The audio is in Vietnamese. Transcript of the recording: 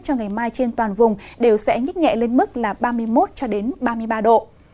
cho ngày mai trên toàn vùng đều sẽ nhích nhẹ lên mức là ba mươi một ba mươi ba độ